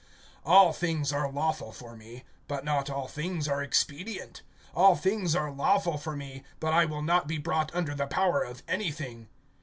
(12)All things are lawful for me, but not all things are expedient; all things are lawful for me, but I will not be brought under the power of anything.